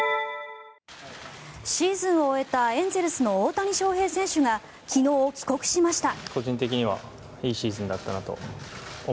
シーズンを終えたエンゼルスの大谷翔平選手が昨日、帰国しました。